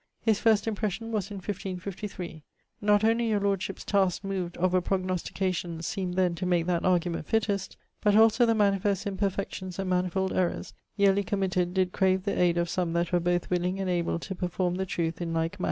His first impression was in 1553 'not onely your lordship's tasck move of a prognostication seemed then to make that argument fittest, but also the manifest imperfections and manifold errors yearly committed did crave the ayd of some that were both willing and able to performe the truthe in like matters.'